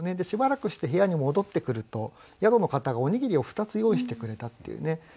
しばらくして部屋に戻ってくると宿の方がおにぎりを二つ用意してくれたっていうね。